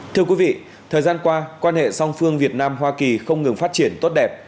thưa quý vị thời gian qua quan hệ song phương việt nam hoa kỳ không ngừng phát triển tốt đẹp